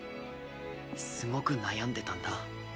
すごく悩んでたんだ。